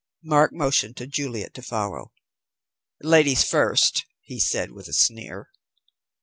Mark motioned to Juliet to follow. "Ladies first," he said with a sneer.